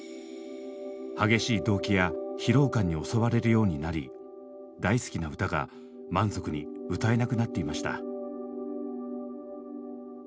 激しい動悸や疲労感に襲われるようになり大好きな歌が満足に歌えなくなっていました。